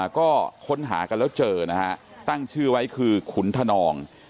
ก็ค้นหากันแล้วเจอนะฮะตั้งชื่อไว้คือขุนธนอง